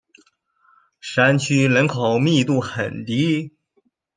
山区人口密度很低。